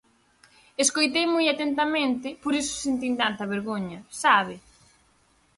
Escoitei moi atentamente, por iso sentín tanta vergoña, ¿sabe?